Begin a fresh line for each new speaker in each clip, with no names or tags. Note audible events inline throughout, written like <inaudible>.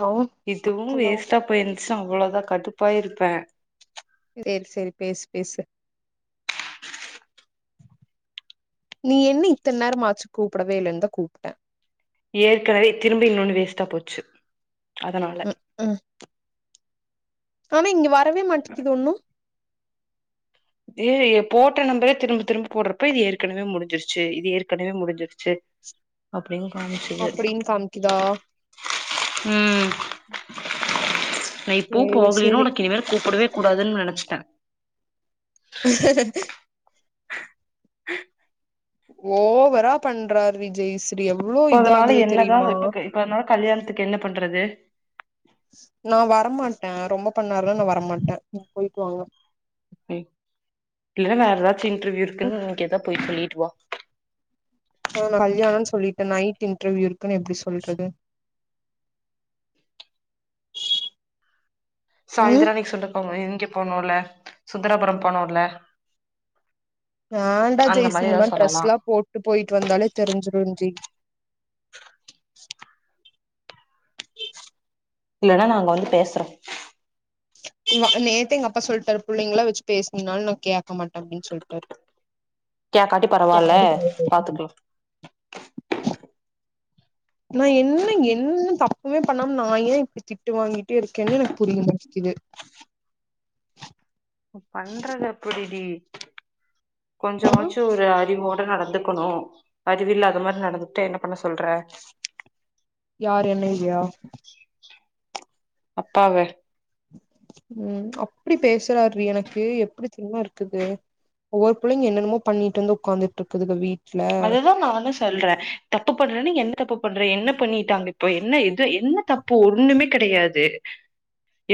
hello
இதுவும் வேஸ்ட்டா போயிருந்துச்சு அவ்ளோதா கடுப்பாயிருப்பே
சேரி சேரி பேசு பேசு நீ என்ன இத்தன் நேரம்மாச்சு கூப்புடவே இல்லேன்தா கூப்ட்டே
ஏற்கனவே திரும்பி இன்னொன்னு வேஸ்ட்டா போச்சு அதனால
ம் ம் ஆனா இங்க வரவே மாட்டேக்குது ஒண்ணு
ஏய் எ போட்ட நம்பரே திரும்ப திரும்ப போட்றப்ப இது ஏற்கனவே முடிஞ்சுர்ச்சு இது ஏற்கனவே முடிஞ்சுருச்சு அப்டின்னு காமிச்சுது
அப்டின் காமிக்குதா
ம் நா இப்போ
சேரி
போகலேன்னா
சேரி
ஒனக்கு இனிமே கூப்புடவே கூடாதுன் நெனச்சிட்டே <inaudible>
ஓவரா பண்றார்ரி ஜெய் ஸ்ரீ எவ்ளோ
இப்ப
இது
அதனால
ஆகுது
என்னதா
தெரியுமா
இப்ப இப்ப அதுனால கல்யாணத்துக்கு என்ன பண்றது
நா வரமாட்டே ரொம்ப பண்ணாருன்னா நா வரமாட்டே நீங்க பொயிட்டு வாங்க
இல்ல வேற எதாச்சு இன்ட்ருவியூ இருக்குன்னு கேட்டா பொய் சொல்லிட்டு வா
மொதல்ல கல்யாணோன் சொல்லிட்டு நைட் இன்ட்ருவியூ இருக்குன் எப்டி சொல்றது ம்
சாய்ந்திரோ அன்னிக் சொல்ட்டு போமோது இங்க போனோல சுந்தராபுரம் போனோல
வேண்டா
அந்த
ஜெய் ஸ்ரீ
மாரி ஏதாவது
இந்மாரி
சொல்லலா
ட்ரெஸ்லா போட்டு போய்ட்டு வந்தாலே தெரிஞ்சுருன் ஜி <inaudible>
இல்லனா நாங்க வந்து பேசுறோ
இங்க நேத்தே எங்க அப்பா சொல்ட்டாரு புள்ளைங்குள வச்சு பேஸ்னீன்னாலு கேக்க மாட்ட அப்டின் சொல்ட்டாரு
கேக்காட்டி பரவால்ல பாத்துக்லா
நா என்ன என்ன தப்புமே பண்ணாம நா ஏன் இப்டி திட்டு வாங்கிட்டே இருக்கேன்னு எனக்கு புரிய மாட்டிக்குது
பண்றது அப்புடி டி
ஆ
கொஞ்சமாச்சு ஒரு அறிவோட நடந்துக்குணு அறிவில்லாத மாரி நடந்துக்ட்டா என்ன பண்ண சொல்ற
யாரு என்னையா
அப்பாவ
ம் அப்டி பேசுரார்ரி எனக்கு எப்டி தெரிமா இருக்குது ஒவ்வொரு புள்ளிங்க என்ன என்னமோ பண்ணிட்டு வந்து உக்காந்துட்ருக்குதுங்க வீ
அதேதா நானுஸ் சொல்ற தப்பு பண்றேன்னு என்ன தப்பு பண்ற என்ன பண்ணிட்டாங்க இப்ப என்ன இது என்ன தப் பு ஒன்னுமே கெடையாது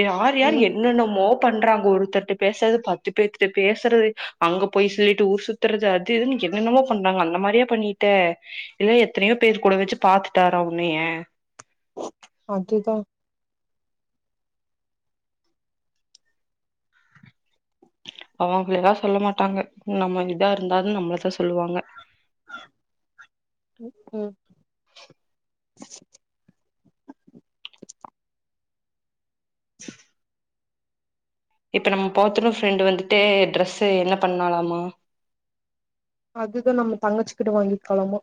யார் யார்
ம்
என்னென்னமோ பண்றாங்க ஒருத்தர்ட்ட பேசறது பத்து பேத்துட்ட பேசுறது அங்க பொய் சொல்லிட்டு ஊர் சுத் துறது அது இதுன் என்னென்னமோ பண் றாங்க அந்த மாரியா பண்ணிட்ட இல்ல எத்தனையோ பேர் கூட வச்சு பாத்துட்டாரா உன்னைய
அதுதா
அவங்குளலா சொல்ல மாட்டாங்க நம்ம இதா இருந்தாலு நம்ளதா சொல்லுவாங்க
ம் ம்
இப்ப நம் போத்துணு ஃபிரெண்டு வந்துட்டு ட்ரெஸு என்ன பண்ணாலாமா
அதுதா நம்ம தங்கச்சுக்கிட்ட வாங்கிக்களாமா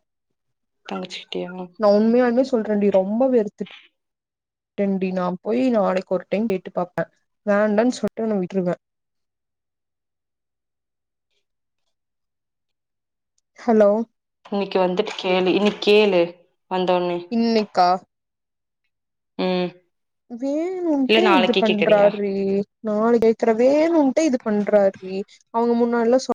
தங்கச்சிக்கிட்டயா
நா உண்மையால்மேஸ் சொல்றன்டி ரொம்ப வெறுத்துட் டென்டி நா போய் நாளைக்கு ஒரு டைம் கேட்டு பாப்ப வேண்டான் சொல்ட்டா நா விட்ருவ ஹலோ
இன்னைக் வந்துட்டு கேளு இன்னைக் கேளு வந்தோட்னே
இன்னைக்கா
ம் இல்ல
வேணுன்ட்டே இது
நாளைக்கே கேக்குறியா
பண்றார்ரீ நாளை கேக்குற வேனுன்ட்டே இது பண்றார்ரீ அவுங்க முன்னால சொ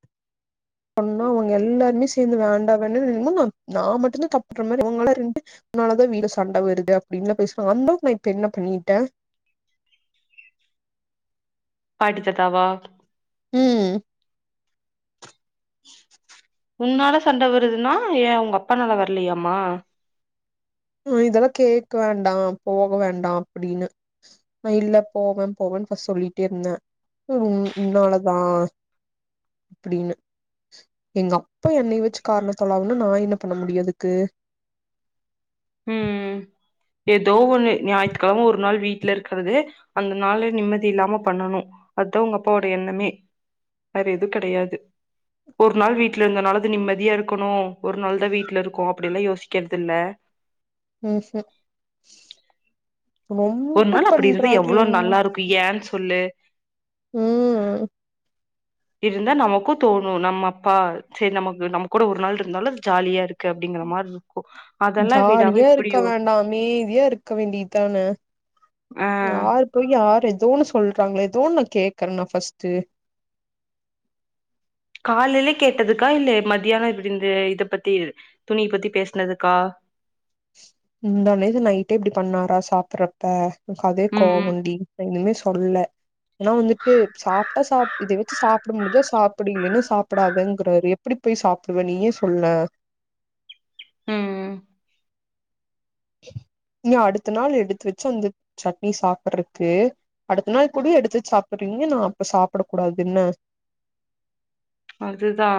ஒன்ன அவ்ங்க எல்லாருமே சேந்து வேண்டா வேண்டான்னு என்னமோ நா மட்டுந்தா தப்பு பண்மாரி அவுங்களா ரெண்டு உன்னாலதா வீடு சண்ட வருது அப்டின்னு பேசுவாங்க அந்தளவுக்கு நா இப்ப என்ன பண்ணிட்ட
பாட்டி தாத்தாவா
ம்
உன்னால சண்ட வருதுனா ஏன் உங்க அப்பனால வர்லையாமா
ஆ இதெல்லா கேக்க வேண்டா போக வேண்டா அப்டின்னு நா இல்ல போவ போவன் ஃபஸ் சொல்லிட்டே இர்ந்த உன் உன்னாலதா அப்புடின்னு எங்க அப்பா என்னய வச்சு கார்னர் பண்ணாங்கனா நா என்ன பண்ண முடியும் அதுக்கு
ம் ஏதோ ஒண்ணு ஞாயித்து கிழம ஒரு நாள் வீட்ல இருக்குறது அந்த நாளே நிம்மதி இல்லாம பண்ணணு அதா உங்க அப்பாவோட எண்ணமே வேற எது கிடையாது ஒரு நாள் வீட்ல இருந்தனாலது நிம்மதியா இருக்கணு ஒரு நாள் தா வீட்ல இருக்கோ அப்டின்னுல்லா யோசிக்கிறது இல்ல
ம்ம்
ஒரு
ரொம்ப
நாள் அப்டி இருந்தா
பண்றாரு
எவ்ளோ நல்லா இருக்கு ஏன் சொல்லு
ம்
இருந்தா நமக்கும் தோணு நம்ம அப்பா சேரி நமக்கு நம்ம கூட ஒரு நாள் இருந்தாலு அது ஜாலியா இருக் க்கு அப்டிங்கற மாரி இருக்கும் அதல்லா விடாம
ஜாலியா இருக்க
இப்டியோ
வேண்டா அமைதியா இருக்க வேண்டியதான
ஆ
யாரு போய் யாரு ஏதோ ஒன்னு சொல்றாங்கள ஏதோன்ன கேக்குறன்னா ஃபர்ஸ்ட்டு
காலையில கேட்டதுக்கா இல்ல மதியான இப்டி இந்த இத பத்தி துணிய பத்தி பேசுனதுக்கா
முந்தா நேத்து நைட்டே இப்டி பண்ணாரா சாப்புடுறப்ப எனக்கு அதே
ம் ம்
கோவண்டி ஒன்னுமே சொல்ல ஏன்னா வந்துட்டு சாப்ட்டா சாப் இத வச்சு சாப்ட முடிஞ்சா சாப்டு இல்லன்னா சாப்டாதங்கிறாரு எப்டி போய் சாப்டுவ நீயே சொல்ல
ம்ம்
நீ அடுத்த நாள் எடுத்து வச்சு அந்த சட்னி சாப்டுறக்கு அடுத்த நாள் குட எடுத்து சாப்டுறீங்க நா அப்ப சாப்ட கூடாது என்ன
அதுதா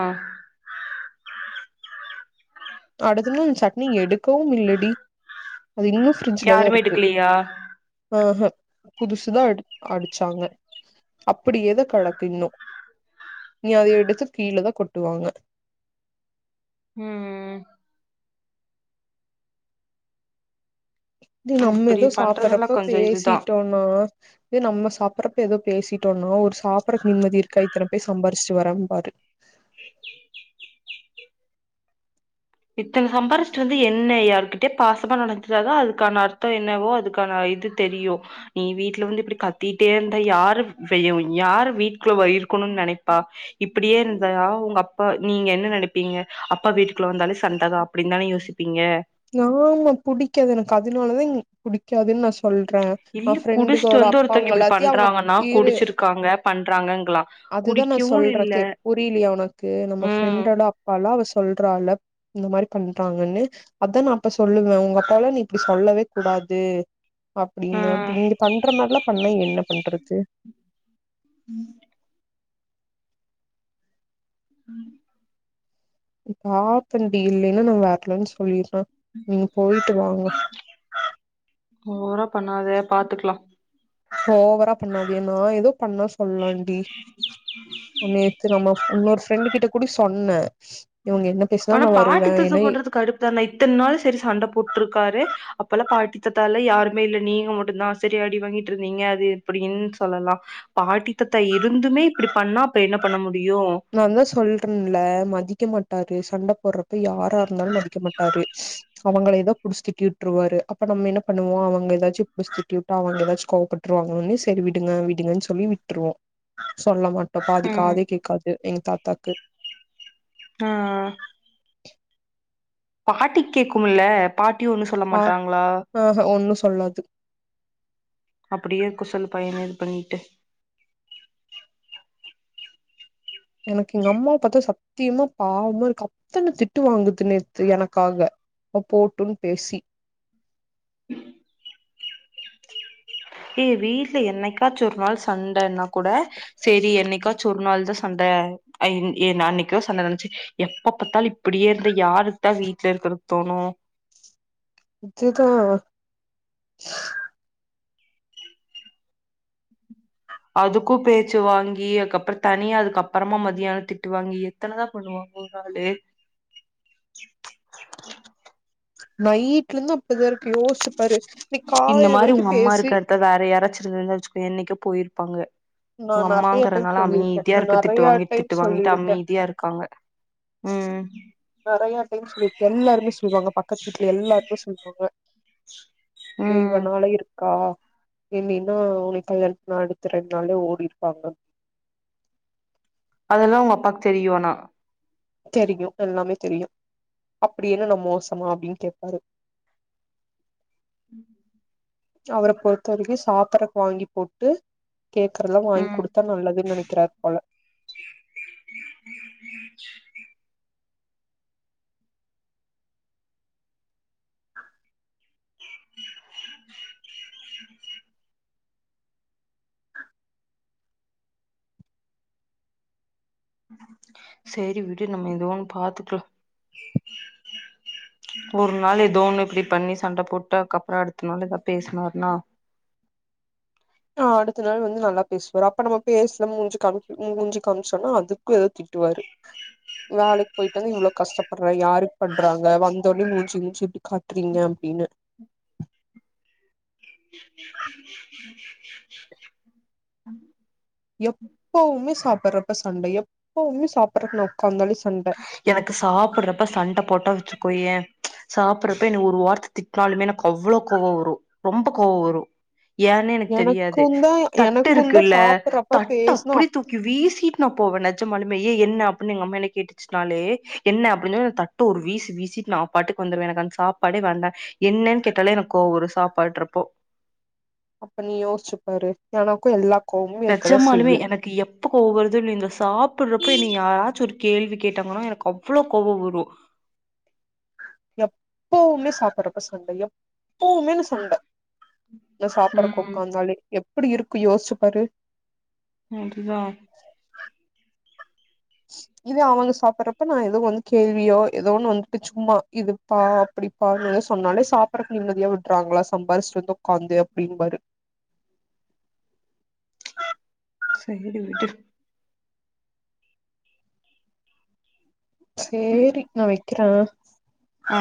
அடுத்த நாள் அந்த சட்னிய எடுக்கவு இல்லடி அது இன்னு ஃப்ரிட்ஜ்ல தா
யாருமே
இருக்கு
எடுக்கலையா
ஆஹ்ஹா புதுசுதா எடு அடிச்சாங்க அப்டியேதா கெடக்கு இன்னு இனி அத எடுத்து கீழேதா கொட்டுவாங்க
ம்ம்
து நம்ம
இப்டி
ஏதோ
பண்றதெல்லா
சாப்டுறப்ப
கொஞ்சோ இதுதா
பேசிட்டோன் னா இதே நம்ம சாப்டுறப்ப ஏதோ பேசிட்டோம்னா ஒரு சாப்டுறதுக்கு நிம்மதி இருக்கா இத்தன போய் சம்பாரிச்சுட்டு வரம்பாரு
இத்தன சம்பாரிச்சுட்டு வந்து என்ன யாருக்கிட்டயா பாசமா நடந்துட்டாதா அதுக்கான அர்த்த என்னவோ அதுக்கான இது தெரியு நீ வீட்டு்ல வந்து இப்டி கத்திட்டே இருந்தா யாரு இதயு யாரு வீட்டுக்குள்ள வ இருக்கன்னு நெனைப்பா இப்டியே இருந்தா உங்க அப்பா நீங்க என்ன நினைப்பீங்க அப்பா வீட்டுக்குள்ள வந்தாலே சண்டதா அப்டின்னு தான யோசிப்பீங்க
ஆமா புடிக்காது எனக்கு அதுனாலதா எனக்கு புடிக்காதுன்னு நா சொல்ற
டெய்லி குடிச்சுட்டு வந்து ஒருத்தவங்க இப்டி பண்றாங்கன்னா
இரு
குடிச்சிருக்காங்க பண்றாங்கங்களா
அதுதா நா
குடிக்கவு
சொல்ற
இல்ல
கே புரியலையா உனக்கு நம்ம
ம்
ஃப்ரெண்டோட அப்பால்லா அவ சொல்றால இந்த மாரி பண்றாங்கன்னு அதா நா அப்ப சொல்லுவ உங்க அப்பால்லா நீ இப்டி சொல்லவே கூடாது அப்டின்னா
ம்
இப்ப இங்க பண்ற மாரில்லா பண்ணா என்ன பண்றது
ம் ம்
பாக்குறண்டி இல்லேன்னா நா வரல்லன்னு சொல்லிர நீங்க போய்ட்டு வாங்க
ஓவரா பண்ணாத பாத்துக்கலா
ஓவரா பண்ணாதியா நா ஏதோ பண்ணா சொல்லாண்டி நேத்து நம்ம இன்னொரு ஃப்ரெண்டு கிட்ட கூட சொன்ன இவங்க என்ன பேசுனாலு நா வருவ ஏன்னா
இத்தனை இத்தன் நாள் சேரி சண்ட போட்டுருக்காரு அப்பெல்லா பாட்டி தாத்தால யாருமே இல்ல நீங்க மட்டும்தா செரியா அடி வாங்கிட்டு இருந்தீங்க அது எப்டினு சொல்லலா பாட்டி தாத்தா இருந்துமே இப்டி பண்ணா அப்ப என்ன பண்ண முடியு
நா தா சொல்றேன்ல மதிக்க மாட்டாரு சண்ட போட்றப்ப யாரா இருந்தாலு மதிக்க மாட்டாரு அவங்கள ஏதா புடிச்சு திட்டு விட்ருவாரு அப்ப நம்ம என்ன பணுவோ அவங்கல ஏதாச்சு புடிச்சு திட்டி விட்டா அவங்க ஏதாச்சு கோவப்பட் றுவாங்க செரி விடுங்க விடுங்கனு சொல்லி விட்ருவோ சொல்ல மாட் பாதி காது கேக்காது எங் தாத்தாக்கு
ஆ பாட்டிக்கேக்குல பாட்டி ஒன்னு சொல்ல மாட்டாங்ளா
ஆ ஆ ஒண்ணு சொல்லாது
அப்டியே இருக்க சொல்லு பையன இது பணிட்டு
எனக்கு எங்க அம்மாவ பாத்தா சத்தியமா பாவமா இருக்கு அத்தன திட்டு வாங்குது நேத்து எனக்காக போட்டுன் பேசி
ஏய் வீட்ல என்னைக்காச்சு ஒரு நாள் சண்டனா கூட சேரி என்னைக்காச்சு ஒரு நாள்தா சண்ட அ என் நா அன்னைக்கோ சண்ட நினைச்சு எப்ப பாத்தாலு இப்டியே இருந்த யாரு தா வீட்ல இருக்கற தோணு
அதுதா
அதுக்கு பேச்சு வாங்கி அதுக்கப்றோ தனியா அதுக்கு அப்றமா மதியான திட்டு வாங்கி எத்தனதா பண்ணுவாங் போறாளே
நைட்ல இருந்து அப்டிதா இருக்கு யோசிசு பாரு இன்னக்
இந்த
காலையில
மாரி
வரைக்கு
உங்க அம்மா
பேசி
இருக்க எடத்துல வேற யாரச்சிருந்தா வச்சுக்கேய இன்னக்கே போயிருப்பாங்க
நா
ஓ
நெறைய டைம்
அம்மாங்கறதுனால
சொல்லியிருக்கே
அமைதியா
நா
இருக்கு திட்டு
நெறைய
வாங்கி
டைம்
திட்டு வாங்கிட்டு
சொல்லியிருக்கே
அமைதியா இருக்காங்க ம்
நெறைய டைம் சொல்லிருக் எல்லாருமே சொல்வாங்க பக்கத்து வீட்ல எல்லாருமே சொல்வாங்க தே
ம்
இவனால இருக்கா இல்லைனா உன்னைய கல்யாண பண்ண அடுத்த ரெண் நாள்ளே ஓடிருப்பாங்க
அதெல்லா உங் அப்பாக்கு தெரியு ஆனா
தெரியு எல்லாமே தெரியு அப்டி என்ன நா மோசமா அப்டினு கேப்பாரு
உம்
அவர பொறுத்த வரைக்கு சாப்பறதுக் வாங்கி போட்டு கேக்கறத எல்லா வாங்கி
ம்
கொடுத் தா நல்லதுனு நெனக்கிறாரு போல
செரி விடு நம்ம ஏதோ ஒன்னு பாத்துக்கலா ஒரு நாள் ஏதோ ஒன்னு இப்டி பண்ணி சண்ட போட்டா அதுக்கப்றோ அடுத்த நாள் ஏதாவது பேஸ்னாருனா
அடுத்த நாள் வந்து நல்லா பேசுவாரு அப்ப நம்ம பேஸ்ல மூஞ்சு மூஞ்சு காமிச்சோன்னா அது ஏதோ திட்டுவாரு வேலைக்கு போயிட்டு வந்து இவ்வளோ கஷ்டப்படுற யாருக்கு பண்றாங்க வந்தோடனே மூஞ்சு மூஞ்சிட்டு காட்றீங்க அப்டினு
அ <inaudible>
எப்பவுமே சாப்ட்றப்ப சண்ட எப்பவுமே சாப்ட்றப்ப நா உட்காந்தோன சண்ட
எனக்கு சாப்பட்றப்ப சண்ட போட்டா வச்சுக்கோய சாப்ட்றப்ப என்ன ஒரு வார்த்து திட்னாலுமே எனக் அவ்ளோ கோவ வரு ரொம்ப கோவ வரு ஏன்னே எனக் தெரியாது
எனக்குந்தா
தட்டு
எனக்குந்தா
இருக்குல்ல
சாப்பட்றப்ப
தட்டு
பேசுனா
அப்டியே தூக் கி வீசிட்டு நா போவே நெஜமாலுமே ஏ என்ன அப்டினு என்ன கேட்டுச் நாலே என்ன அப்டினா தட்ட ஒரு வீசு வீசிட்டு நா பாட்டுக்கு வந்துடுவே எனக் அந்த சாப்பாடே வேண்டா என்னனு கேட்டாலே எனக் கோவ வரு சாப்பட்றப்போ
அப்ப நீ யோசிச்சுப்பாரு எனக்கு எல்லா கோவமு இருக்கதா
நெஜமாலுமே எனக் எப்ப கோவ வருது சாப்பிடுறப்ப
செய்யு
என்ன யாராச்சு ஒரு கேள்வி கேட்டாங்கனா எனக் அவ்ளோ கோவ வரு
எப்போவுமே சாப்பட்றப்ப சண்ட எப்போவுமே சண்ட நா சாப்பறக்கு
ம்
உட்காந்தாலே எப்டி இருக்கு யோஸ்ச்சு பாரு
அது தா
இதே அவங்க சாப்பறப்ப நா ஏதோ வந் கேள்வியோ ஏதோ ஒன்னு வந்துட்டு சும்மா இது பா அப்டிப்பாருனு சொன்னாலே சாப்பறதுக் நிம்மதியா விடுறாங்களா சம்பாரிச்சிட் வந்து உட்காந்து அப்டின்பாரு
சேரி விடு
சேரி நா வெக்கிறே
ஆ